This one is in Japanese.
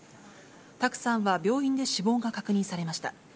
卓さんは病院で死亡が確認されました。